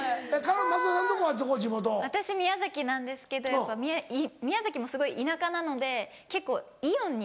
私宮崎なんですけどやっぱ宮崎もすごい田舎なので結構イオンに。